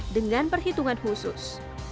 dengan perhitungan khusus